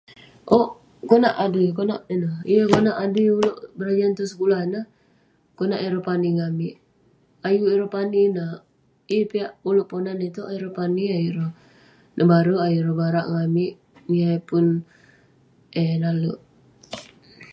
Owk konak, adui, konak ineh..yeng konak adui ulouk berajan sekulah ineh..konak ireh pani ngan amik, ayuk ireh pani neh, yeng piak ulouk ponan itouk ayuk ireh pani..ayuk ireh nebarek, ayuk ireh barak ngan amik niah eh puh eh nalek .